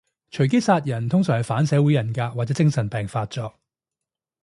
隨機殺人通常係反社會人格或者精神病發作